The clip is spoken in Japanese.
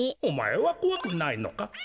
おまえはこわくないのか？